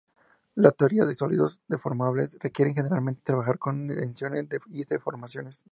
La teoría de sólidos deformables requiere generalmente trabajar con tensiones y deformaciones.